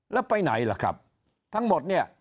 แล้วไปไหนล่ะครับทั้งหมดเนี่ย